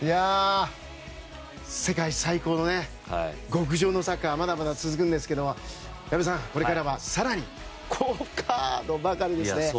世界最高の極上のサッカーはまだまだ続くんですが矢部さん、これからは更に好カードばかりですね。